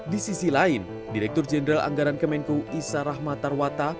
di sisi lain direktur jenderal anggaran kemenku isa rahmat tarwata